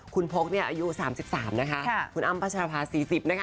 คุณพกเนี่ยอายุ๓๓นะคะคุณอ้ำพัชรภา๔๐นะคะ